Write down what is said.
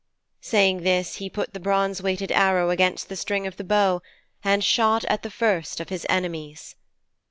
Saying this, he put the bronze weighted arrow against the string of the bow, and shot at the first of his enemies.